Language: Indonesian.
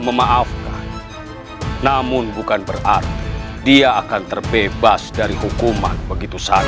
memaafkan namun bukan berarti dia akan terbebas dari hukuman begitu saat